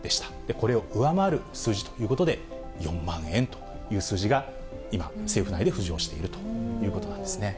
これを上回る数字ということで、４万円という数字が今、政府内で浮上しているということなんですね。